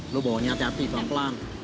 lo bawanya hati hati pelan pelan